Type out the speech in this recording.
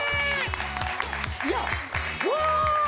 いやっわ！